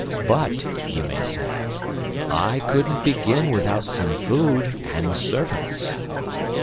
"But," you say, "I couldn't begin without some food, and servants."